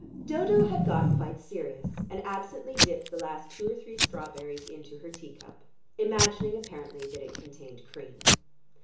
Dodo had got quite serious and absently dipped the last two or three strawberries into her tea cup, imagining apparently that it contained cream.